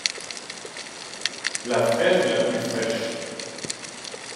La fraise la plus fraîche.